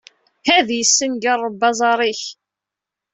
Ad yessenger Ṛebbi aẓar-ik!